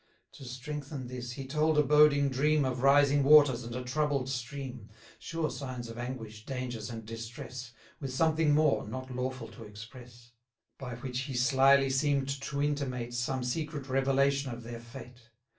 To strengthen this, he told a boding dream 480 Of rising waters, and a troubled stream, Sure signs of anguish, dangers, and distress, With something more, not lawful to express: By which he slily seem'd to intimate Some secret revelation of their fate.